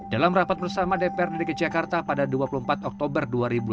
dalam rapat bersama dpr dki jakarta pada dua puluh empat oktober dua ribu dua puluh tiga